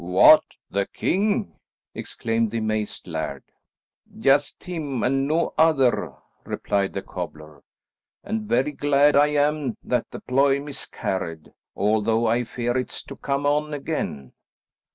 "What, the king!" exclaimed the amazed laird. "Just him, and no other," replied the cobbler, "and very glad I am that the ploy miscarried, although I fear it's to come on again."